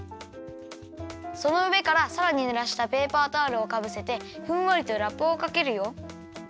そのうえからさらにぬらしたペーパータオルをかぶせてふんわりとラップをかけるよ。